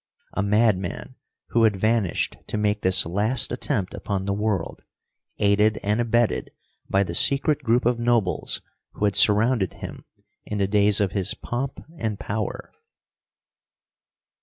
A madman who had vanished to make this last attempt upon the world, aided and abetted by the secret group of nobles who had surrounded him in the days of his pomp and power.